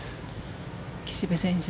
岸部選手